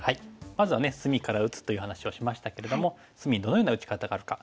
まずはね隅から打つという話をしましたけれども隅どのような打ち方があるか。